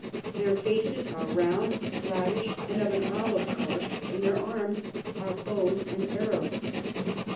Their Faces are round, flattish, and of an Olive Colour; and their Arms are Bows and Arrows.